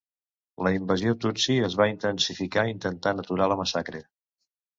La invasió tutsi es va intensificar intentant aturar la massacre.